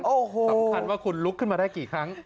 โอ้โหสำคัญว่าคุณลุกขึ้นมาได้กี่ครั้ง